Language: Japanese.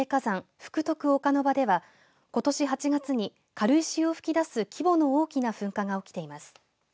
福徳岡ノ場ではことし８月に、軽石を噴き出す規模の大きな噴火が起きています。